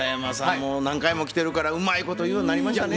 もう何回も来てるからうまいこと言うようになりましたね。